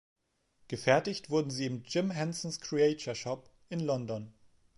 Gefertigt wurden sie im "Jim Henson’s Creature Shop" in London.